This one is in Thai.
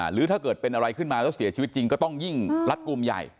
หรือถ้าเกิดเป็นอะไรขึ้นมาแล้วเสียชีวิตจริงก็ต้องยิ่งรัดกลุ่มใหญ่